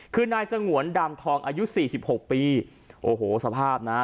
คือนายสงวนดามทองอายุสี่สิบหกปีโอ้โหสภาพนะ